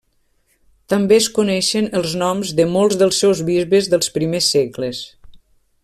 També es coneixen els noms de molts dels seus bisbes dels primers segles.